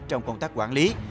trong công tác quản lý